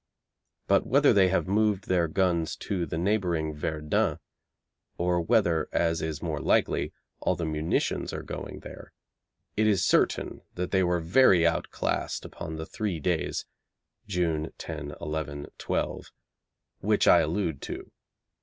But whether they have moved their guns to the neighbouring Verdun, or whether, as is more likely, all the munitions are going there, it is certain that they were very outclassed upon the three days (June 10, 11, 12) which I allude to.